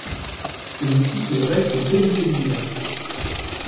Celui-ci se dresse au beau milieu du village.